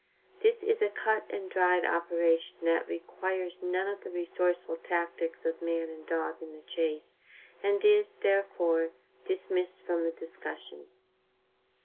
This is a cut and dried operation that requires none of the resourceful tactics of man and dog in the chase, and is, therefore, dismissed from the discussion.